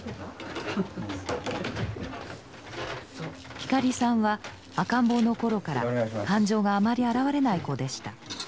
光さんは赤ん坊の頃から感情があまり表れない子でした。